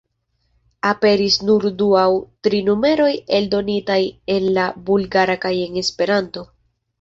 Aperis nur du aŭ tri numeroj eldonitaj en la Bulgara kaj en Esperanto.